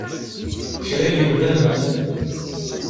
Kra n yemdanen!